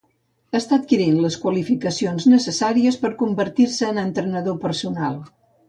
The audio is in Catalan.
Està adquirint les qualificacions necessàries per convertir-se en entrenador personal.